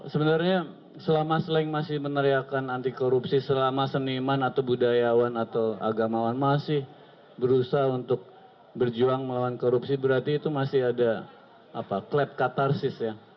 sebenarnya selama slang masih meneriakan anti korupsi selama seniman atau budayawan atau agamawan masih berusaha untuk berjuang melawan korupsi berarti itu masih ada klep katarsis ya